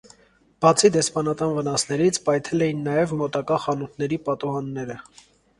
Բացի դեսպանատան վնասներից, պայթել էին նաև մոտակա խանութների պատուհանները։